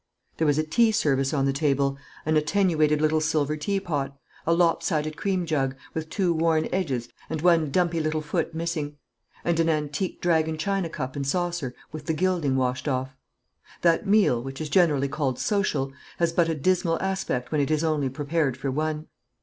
There was a tea service on the table: an attenuated little silver teapot; a lopsided cream jug, with thin worn edges and one dumpy little foot missing; and an antique dragon china cup and saucer with the gilding washed off. That meal, which is generally called social, has but a dismal aspect when it is only prepared for one.